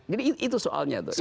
jadi itu soalnya